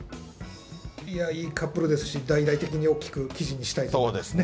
いや、いいカップルですし、大々的に大きく記事にしたいところですね。